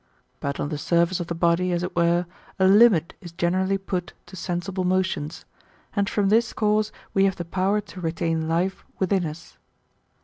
But on the surface of the body, as it were, a limit is generally put to sensible motions ; and from this cause we have the power to retain life within us.